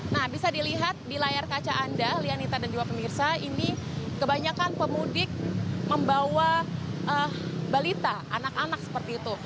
nah bisa dilihat di layar kaca anda lianita dan juga pemirsa ini kebanyakan pemudik membawa balita anak anak seperti itu